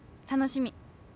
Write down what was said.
楽しみ！」